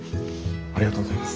ありがとうございます。